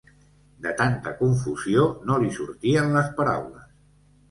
De tanta confusió no li sortien les paraules.